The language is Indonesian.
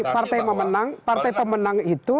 partai pemenang itu